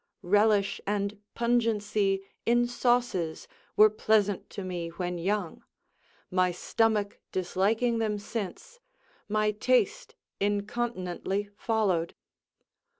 Relish and pungency in sauces were pleasant to me when young; my stomach disliking them since, my taste incontinently followed.